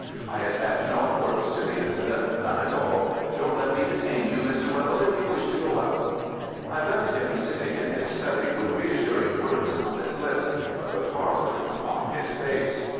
I attach no importance to the incident—none at all. Don't let me detain you, Mr. Weld, if you wish to go out." I left him sitting in his study with reassuring words upon his lips, but with horror upon his face.